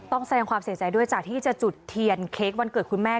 แสดงความเสียใจด้วยจากที่จะจุดเทียนเค้กวันเกิดคุณแม่